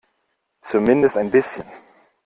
Zumindest ein bisschen.